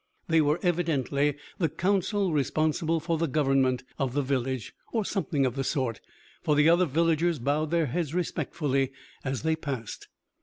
They were evidently the council responsible for the government of the village, or something of the sort, for the other villagers bowed their heads respectfully as they passed.